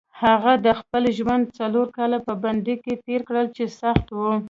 هغه د خپل ژوند څلور کاله په بند کې تېر کړل چې سخت وو.